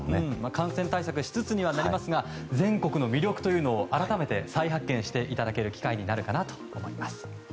感染対策しつつにはなりますが全国の魅力を改めて再発見していただける機会になるかなと思います。